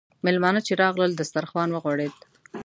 میلمانه چې راغلل، دسترخوان وغوړېد.